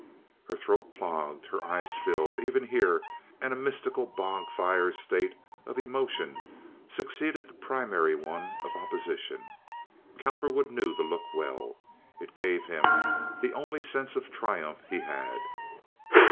Her throat clogged, her eyes filled, even here, and a mystical bog fire state of emotion succeeded the primary one of opposition. Cowperwood knew the look well. It gave him the only sense of triumph he had.